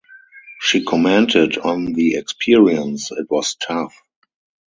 She commented on the experience, It was tough.